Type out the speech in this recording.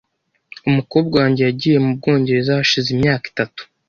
Umukobwa wanjye yagiye mu Bwongereza hashize imyaka itatu .